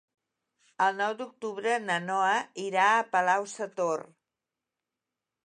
El nou d'octubre na Noa irà a Palau-sator.